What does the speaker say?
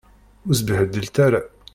Ur sbehdilet ara.